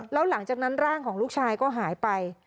แล้วหลังจากนั้นร่างของลูกชายก็หายไป